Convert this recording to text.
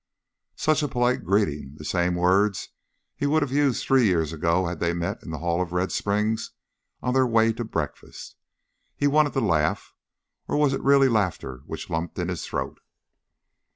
Such a polite greeting the same words he would have used three years ago had they met in the hall of Red Springs on their way to breakfast. He wanted to laugh, or was it really laughter which lumped in his throat?